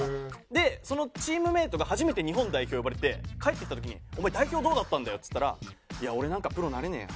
でそのチームメートが初めて日本代表呼ばれて帰ってきた時に「お前代表どうだったんだよ？」っつったら「いや俺なんかプロなれねえよ。